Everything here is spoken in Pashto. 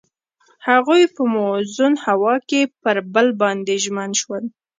هغوی په موزون هوا کې پر بل باندې ژمن شول.